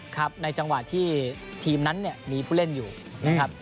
ครับในจังหวะที่ทีมนั้นเนี่ยมีผู้เล่นอยู่นะครับ